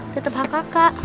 tetap hak kakak